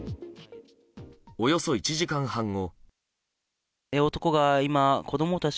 およそ１時間半後。